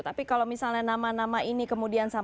tapi kalau misalnya nama nama ini kemudian